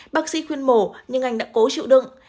bác sĩ khuyên mổ nhưng anh đã cố chịu đựng